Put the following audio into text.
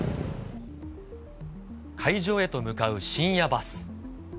会場へと向かう深夜バス。